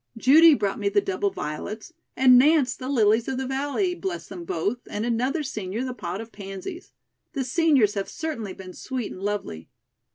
Judy brought me the double violets and Nance the lilies of the valley, bless them both, and another senior the pot of pansies. The seniors have certainly been sweet and lovely."